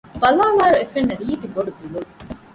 ބަލާލާއިރު އެފެންނަ ރީތި ބޮޑު ދެލޮލު